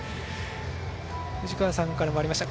藤川さんからもありました